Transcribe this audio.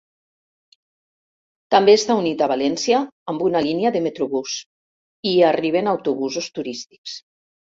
També està unit a València amb una línia de metrobús i hi arriben autobusos turístics.